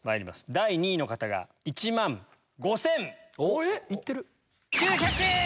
第２位の方が１万５千９００円！